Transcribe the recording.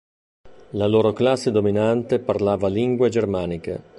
La loro classe dominante parlava lingue germaniche.